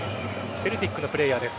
セルティックのプレーヤーです。